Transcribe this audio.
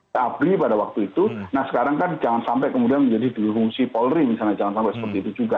seabri pada waktu itu nah sekarang kan jangan sampai kemudian menjadi berfungsi polri misalnya jangan sampai seperti itu juga